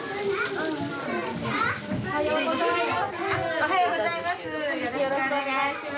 おはようございます。